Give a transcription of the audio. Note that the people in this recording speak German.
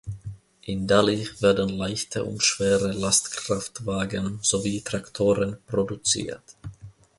In Dali werden leichte und schwere Lastkraftwagen sowie Traktoren produziert.